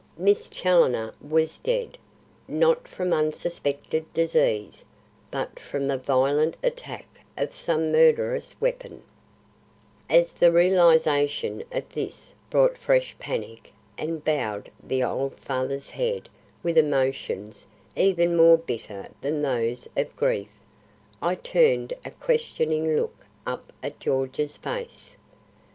Miss Challoner was dead, not from unsuspected disease, but from the violent attack of some murderous weapon; As the realisation of this brought fresh panic and bowed the old father's head with emotions even more bitter than those of grief, I turned a questioning look up at George's face.